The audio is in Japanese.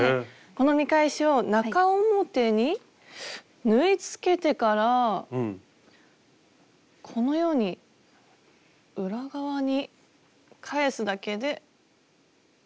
この見返しを中表に縫いつけてからこのように裏側に返すだけで。